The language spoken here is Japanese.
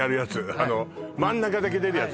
あの真ん中だけ出るやつ